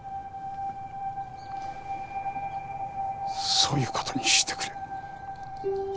そういうことにしてくれ。